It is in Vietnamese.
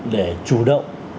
để chủ động